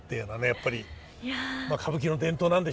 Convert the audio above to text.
やっぱりまあ歌舞伎の伝統なんでしょうね。